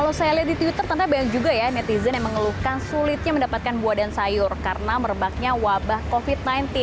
kalau saya lihat di twitter ternyata banyak juga ya netizen yang mengeluhkan sulitnya mendapatkan buah dan sayur karena merebaknya wabah covid sembilan belas